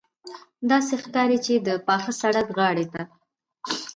داسې ښکاري چې د پاخه سړک غاړې ته.